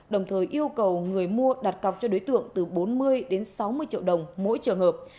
đồng thời yêu cầu người mua đặt cọc cho đối tượng từ bốn mươi đến sáu mươi triệu đồng mỗi trường hợp